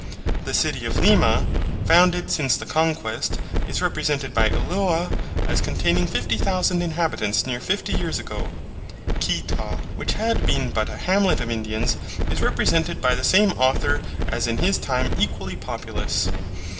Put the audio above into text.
The city of Lima, founded since the conquest, is represented by Ulloa as containing fifty thousand inhabitants near fifty years ago. Quito, which had been but a hamlet of indians, is represented by the same author as in his time equally populous.